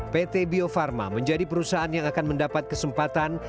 pt bio farma menjadi perusahaan yang akan mendapat kesempatan